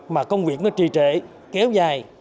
mà công việc nó trì trễ kéo dài